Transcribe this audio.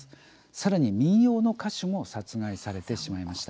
さらに、民謡の歌手も殺害されてしまいました。